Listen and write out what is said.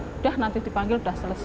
sudah nanti dipanggil sudah selesai